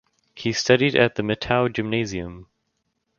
He studied at the Mitau Gymnasium.